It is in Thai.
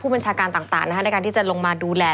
ผู้บัญชาการต่างนะครับในการที่จะลงมาดูแล